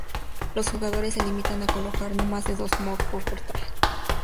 Los jugadores se limitan a colocar no más de dos mods por portal.